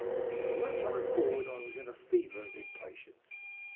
From that time forward I was in a fever of impatience.